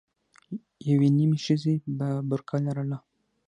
يوې نيمې ښځې به برقه لرله.